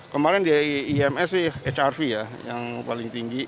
kemarin di ims sih hrv ya yang paling tinggi